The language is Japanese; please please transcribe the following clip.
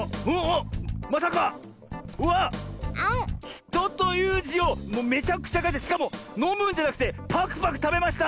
「ひと」というじをもうめちゃくちゃかいてしかものむんじゃなくてパクパクたべました。